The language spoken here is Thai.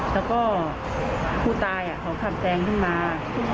แล้วก็ผู้ตายเขาขับแซงขึ้นมา